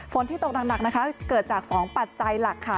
ที่ตกหนักนะคะเกิดจาก๒ปัจจัยหลักค่ะ